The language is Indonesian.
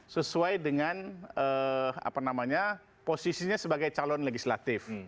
sesuai dengan posisinya sebagai calon legislatif